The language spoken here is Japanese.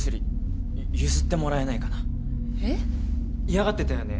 嫌がってたよね？